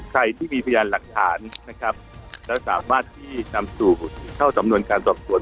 ใครที่มีพยานหลักฐานนะครับแล้วสามารถที่นำสู่เข้าสำนวนการสอบสวน